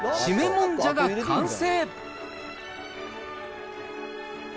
もんじゃが完成。